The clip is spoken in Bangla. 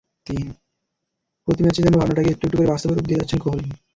প্রতি ম্যাচেই যেন ভাবনাটাকে একটু একটু করে বাস্তবে রূপ দিয়ে যাচ্ছেন কোহলি।